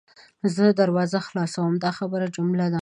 زه دروازه خلاصوم – دا خبریه جمله ده.